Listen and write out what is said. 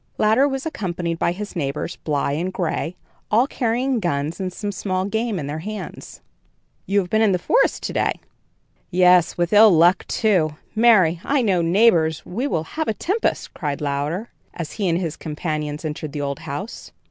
Louder was accompanied by his neighbors Bly and Gray, all carrying guns and some small game in their hands. "You have been in the forest to day?" "Yes, with ill luck, too. Marry! I trow, neighbors, we will have a tempest," cried Louder, as he and his companions entered the old house.